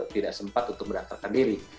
tidak sempat untuk mendaftarkan diri